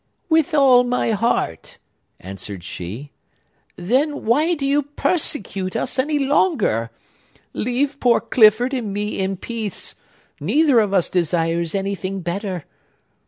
"With all my heart!" answered she. "Then, why do you persecute us any longer? Leave poor Clifford and me in peace. Neither of us desires anything better!"